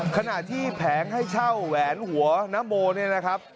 ขณะที่แผงให้เช่าแหวนหัวนโมเนี่ยนะครับ